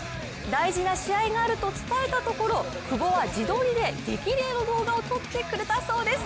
大事な試合があると伝えたところ久保は自撮りで激励の動画を撮ってくれたそうです。